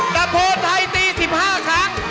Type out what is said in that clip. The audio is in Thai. นับโพสไทยตี๑๕ครั้ง